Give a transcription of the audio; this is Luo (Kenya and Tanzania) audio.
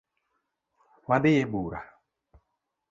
Wadhi ebura